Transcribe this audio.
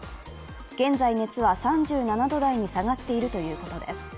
現在、熱は３７度台に下がっているということです。